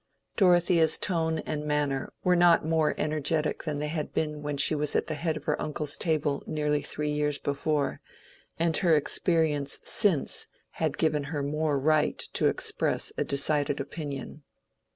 Dorothea's tone and manner were not more energetic than they had been when she was at the head of her uncle's table nearly three years before, and her experience since had given her more right to express a decided opinion.